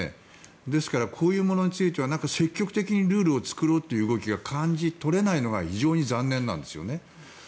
ですからこういうものについては積極的にルールを作ろうという動きが感じ取れないのが非常に残念なんですよね。